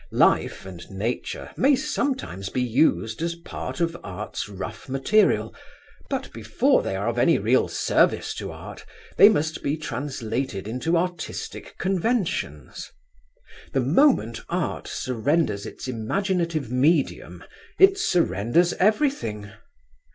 Life and Nature may sometimes be used as part of Art's rough material, but before they are of any real service to art they must be translated into artistic conventions. The moment Art surrenders its imaginative medium it surrenders everything.